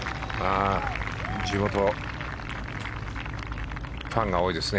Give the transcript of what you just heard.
地元ファンが多いですね。